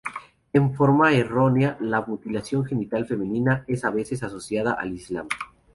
En forma errónea la mutilación genital femenina es a veces asociada al Islam.